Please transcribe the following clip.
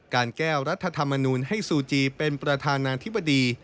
การแก้วรัฐธรรมนูลให้ซูจีเป็นประธานาธิบดี